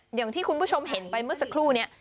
อย่างที่คุณผู้ชมเห็นไปเมื่อสักครู่นี้